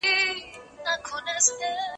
زه اوس د سبا لپاره د ليکلو تمرين کوم..